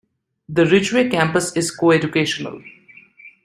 The Ridgeway Campus is co-educational.